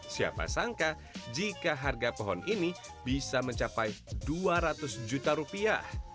siapa sangka jika harga pohon ini bisa mencapai dua ratus juta rupiah